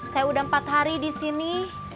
saya udah empat hari di sini